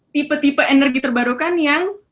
tipe tipe energi terbarukan yang